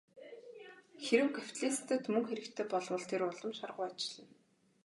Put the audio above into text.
Хэрэв капиталистад мөнгө хэрэгтэй болбол тэр улам шаргуу ажиллана.